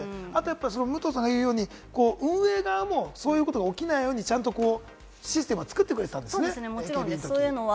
武藤さんが言うように、運営側もそういうことが起きないように、ちゃんとシステムを作ってくれてたんですね、ＡＫＢのとき。